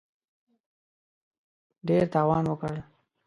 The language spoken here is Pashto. ډېر تاوان وکړ.